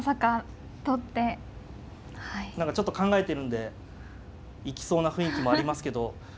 何かちょっと考えてるんで行きそうな雰囲気もありますけど。